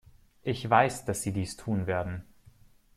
Ich weiß, dass sie dies tun werden.